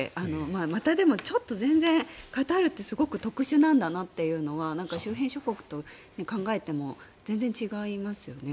また全然、カタールってすごく特殊なんだなというのは周辺諸国を考えても全然違いますよね。